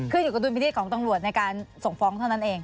คืออยู่กับดุลพิธีของตรงรวจในการส่งฟ้องเท่านั้นเอง